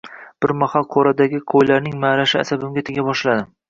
Bir mahal qo`radagi qo`ylarning ma`rashi asabimga tega boshladi